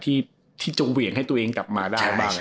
ที่จงเหวี่ยงให้ตัวเองกลับมาได้บ้าง